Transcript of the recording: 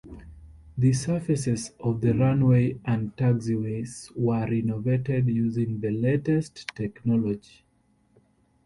The surfaces of the runway and taxiways were renovated using the latest technology.